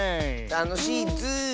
たのしいッズー。